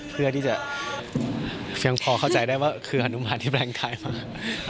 เพื่อที่จะพยายามพอเข้าใจได้ว่าคืออนุมาตย์ที่แปลงกายมา